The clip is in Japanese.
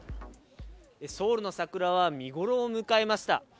ソウルの桜は見頃を迎えました。